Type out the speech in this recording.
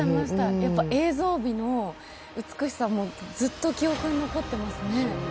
やっぱり映像美の美しさもずっと記憶に残っていますね。